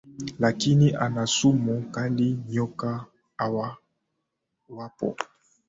lakini hana sumu kali Nyoka hawa wapo